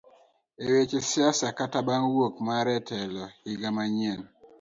Eweche siasa kata bang wuok mare etelo iga manyien.